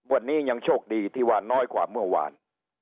วันนี้ยังโชคดีที่ว่าน้อยกว่าเมื่อวาน